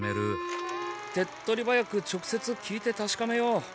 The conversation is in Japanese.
手っとり早く直せつきいてたしかめよう。